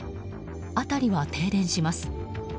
辺りは停電します。